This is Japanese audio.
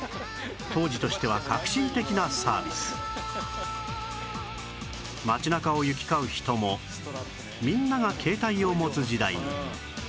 当時としては革新的なサービス街中を行き交う人もみんなが携帯を持つ時代に